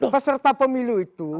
peserta pemilu itu